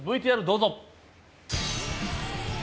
ＶＴＲどうぞ。